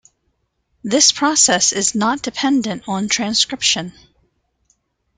This process is not dependent on transcription.